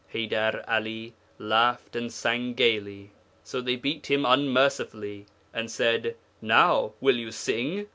Haydar 'Ali laughed and sang gaily. So they beat him unmercifully, and said, "Now, will you sing?"